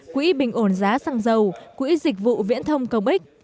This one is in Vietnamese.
quỹ bình ổn giá xăng dầu quỹ dịch vụ viễn thông công ích